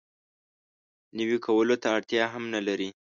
نوي کولو ته اړتیا هم نه لري.